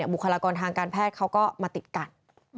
บุคลากรทางการแพทย์เขาก็มาติดกัน